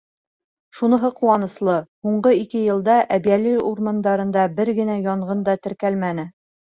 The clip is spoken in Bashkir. Шуныһы ҡыуаныслы: һуңғы ике йылда Әбйәлил урмандарында бер генә янғын да теркәлмәне.